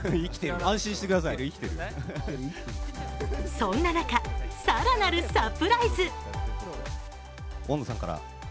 そんな中、更なるサプライズ。